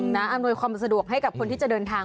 อำนวยความสะดวกให้กับคนที่จะเดินทาง